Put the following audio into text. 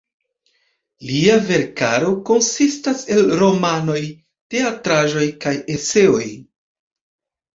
Lia verkaro konsistas el romanoj, teatraĵoj kaj eseoj.